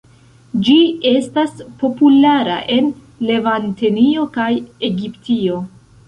Ĝi estas populara en Levantenio kaj Egiptio.